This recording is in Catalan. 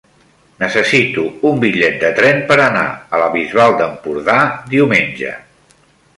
Necessito un bitllet de tren per anar a la Bisbal d'Empordà diumenge.